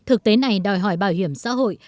thực tế này đòi hỏi bảo hiểm xã hội